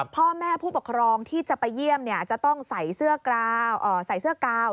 พ่อแม่ผู้ปกครองที่จะไปเยี่ยมจะต้องใส่เสื้อใส่เสื้อกาว